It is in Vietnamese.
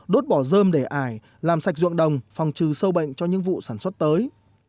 đốt bỏ dơm để ải làm sạch ruộng đồng phòng trừ sâu bệnh cho những vụ sản xuất tới